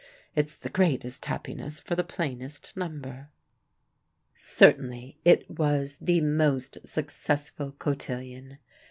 It's the greatest happiness for the plainest number." Certainly it was the most successful cotillion.